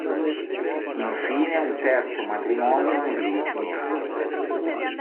Infine un terzo matrimonio negli ultimi anni.